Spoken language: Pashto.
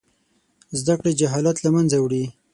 زده کړې جهالت له منځه وړي.